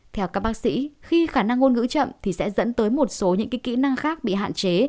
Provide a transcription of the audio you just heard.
theo các bác sĩ khi khả năng ngôn ngữ chậm thì sẽ dẫn tới một số những kỹ năng khác bị hạn chế